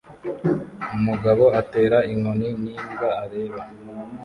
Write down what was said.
umugabo atera inkoni n'imbwa areba